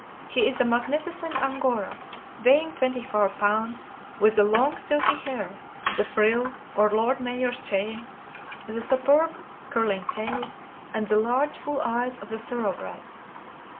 He is a magnificent Angora, weighing twenty four pounds, with the long, silky hair, the frill, or lord mayor's chain, the superb curling tail, and the large, full eyes of the thoroughbred.